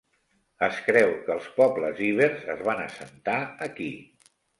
Es creu que els pobles ibers es van assentar aquí.